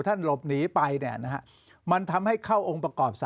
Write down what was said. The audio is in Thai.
ท่านหลบหนีไปมันทำให้เข้าองค์ประกอบ๓๒